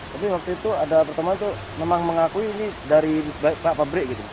tapi waktu itu ada pertumbuhan itu memang mengakui ini dari pihak pabrik